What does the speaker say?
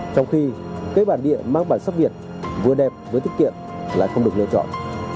trong khi cây bản địa mang bản sắc việt vừa đẹp với thích kiện lại không được lựa chọn